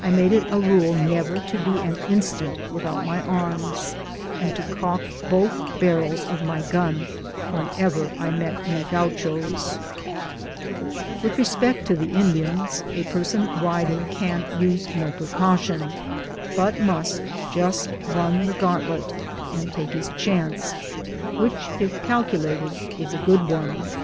I made it a rule never to be an instant without my arms, and to cock both barrels of my gun whenever I met any Gauchos. With respeSct to the Indians, a person riding can Digitized byGoogk MODE OP TtlAVELLING, 63 use no precaution, but must just run the gauntlet, and take his chance, which, if calculated, is a good one.